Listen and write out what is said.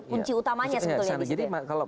kunci utamanya sebetulnya jadi kalau